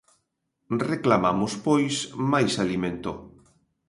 Reclamamos pois máis alimento.